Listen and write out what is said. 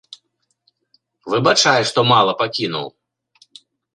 Выбачай, што мала пакінуў!